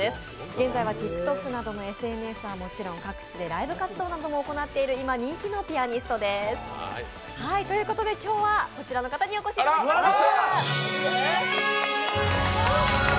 現在はＴｉｋＴｏｋなどのＳＮＳはもちろんライブ活動なども行っている今、人気のピアニストです。ということで今日はこちらの方にお越しいただきました。